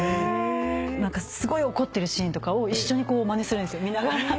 何かすごい怒ってるシーンとかを一緒にまねするんです見ながら。